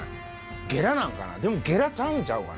ゲラなんかな、でもゲラちゃうんちゃうかな？